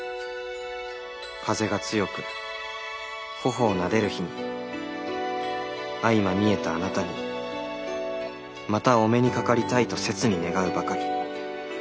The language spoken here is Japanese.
風が強く頬をなでる日に相まみえたあなたにまたお目にかかりたいと切に願うばかり。